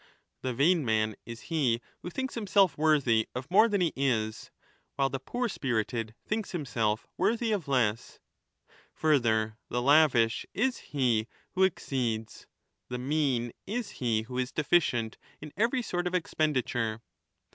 The vain man is he who thinks i j .^rv? <>* himself worthy of more than he is, while the poor spirited .»• o^ "^ thinks himself worthy of less. Further, the lavish is he who i ^^ exceeds, the mean is he who is deficient, in every sort of expenditure.